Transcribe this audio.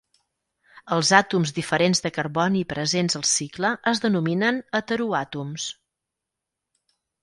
Els àtoms diferents de carboni presents al cicle es denominen heteroàtoms.